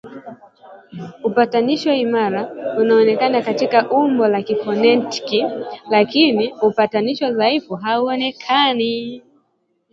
Upatanisho imara unaonekana katika umbo la kifonetiki lakini upatanisho dhaifu hauonekani